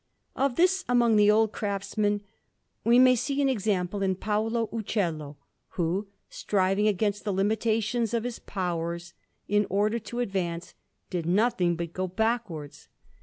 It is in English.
Of this, among the old craftsmen, we may see an example in Paolo Uccello, who, striving against the limitations of his powers, in order to advance, did nothing but go backwards.